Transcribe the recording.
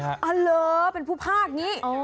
อ๋อเหรอเป็นผู้ภาคนี้